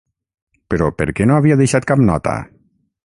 Però, per què no havia deixat cap nota?